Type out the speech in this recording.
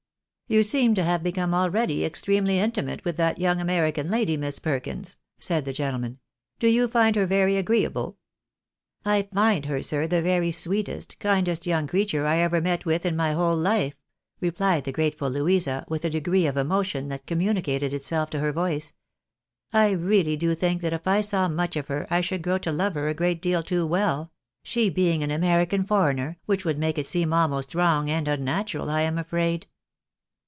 " You seem to have become already extremely intimate with that young American lady, Miss Perkins," said the gentleman. " Do you find her very agreeable? "" I find her, sir, the very sweetest, kindest young creature I ever met with in my whole life," replied the grateful Louisa, with a degree of emotion that communicated itself to her voice. " I really do think that if I saw much of her I should grow to love her a great deal too well — she being an American foreigner, wliich would make it seem almost wrong and unnatural, I am afraid."